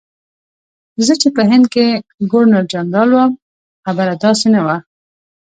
زه چې په هند کې ګورنرجنرال وم خبره داسې نه وه.